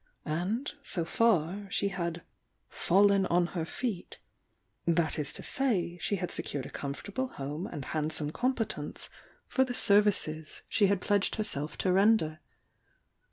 And, so far, she had "fallen on her feet,"— that is to say, she had secured a com fortable home and handsome competence for the 212 THE VOUNG DIANA 218 services she had pledged herself to render.